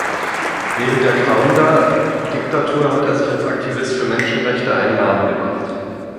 Während der Kaunda-Diktatur hat er sich als Aktivist für Menschenrechte einen Namen gemacht.